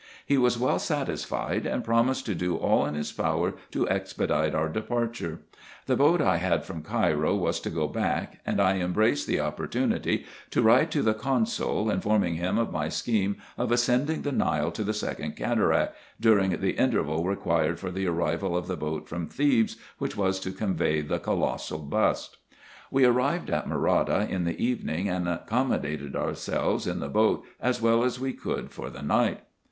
He was well satisfied, and promised to do all in Ins power to expedite our departure. The boat I had from Cairo was to go back ; and I embraced the oppor tunity to write to the consul, informing him of my scheme of ascending the Nile to the second cataract, during the interval re quired for the arrival of the boat from Thebes, winch was to convey the colossal bust. We arrived at Morada in the evening, and accommodated our selves in the boat as well as we could for the night.